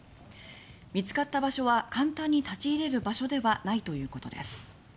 見つかった場所は簡単に立ち入れる場所ではないということです。